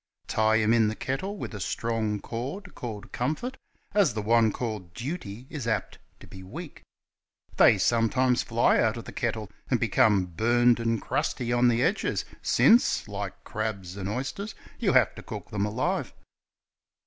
Tie him in the kettle with a strong cord called Comfort, as the one called Duty is apt to be weak. They sometimes fly out of the kettle, and become burned and crusty on the edges, since, like How To Cook Husbands. 11 crabs and oysters, you have to cook them alive.